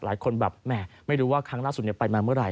หลายคนแบบแหมไม่รู้ว่าครั้งล่าสุดไปมาเมื่อไ